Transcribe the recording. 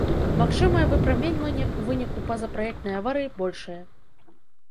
Магчымае выпраменьванне ў выніку пазапраектнай аварыі большае.